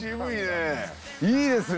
いいですね！